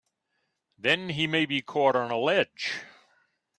Then he may be caught on a ledge!